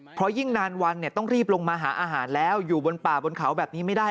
เพราะยิ่งนานวันต้องรีบลงมาหาอาหารแล้วอยู่บนป่าบนเขาแบบนี้ไม่ได้